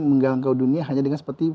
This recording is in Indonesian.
menggangkau dunia hanya dengan seperti